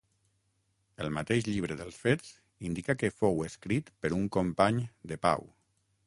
El mateix llibre dels Fets indica que fou escrit per un company de Pau.